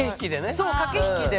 そう駆け引きで。